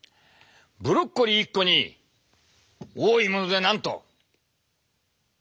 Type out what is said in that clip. ブロッコリー一個に多いものでなんと。